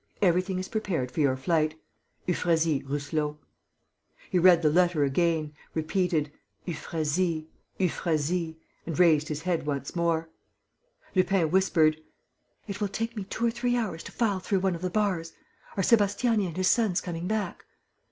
Everything is prepared for your flight. "EUPHRASIE ROUSSELOT." He read the letter again, repeated, "Euphrasie.... Euphrasie...." and raised his head once more. Lupin whispered: "It will take me two or three hours to file through one of the bars. Are Sébastiani and his sons coming back?"